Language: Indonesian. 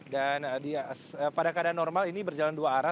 dan pada keadaan normal ini berjalan dua arah